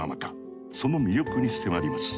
その魅力に迫ります。